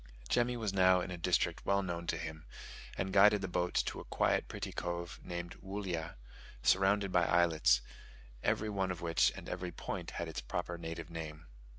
Jemmy was now in a district well known to him, and guided the boats to a quiet pretty cove named Woollya, surrounded by islets, every one of which and every point had its proper native name.